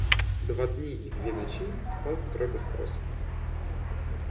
Два дни и две ночи спал Петро без просыпу.